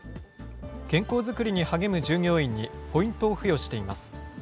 健康作りに励む従業員にポイントを付与しています。